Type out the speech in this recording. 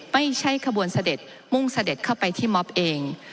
ไม่ใช่ขบวนเสด็จมุ่งเสด็จเข้าไปที่มอบเอง